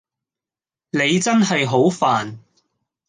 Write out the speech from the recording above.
你真係好煩